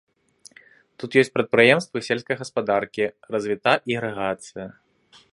Тут ёсць прадпрыемствы сельскай гаспадаркі, развіта ірыгацыя.